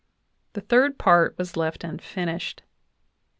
The third part was left, unfinished.